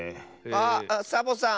あっサボさん！